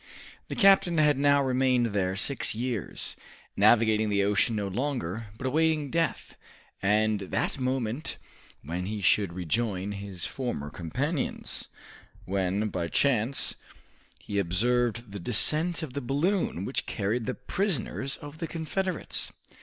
The captain had now remained there six years, navigating the ocean no longer, but awaiting death, and that moment when he should rejoin his former companions, when by chance he observed the descent of the balloon which carried the prisoners of the Confederates.